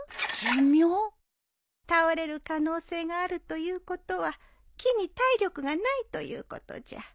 倒れる可能性があるということは木に体力がないということじゃ。